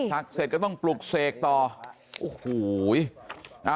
เสร็จก็ต้องปลุกเสกต่อโอ้โห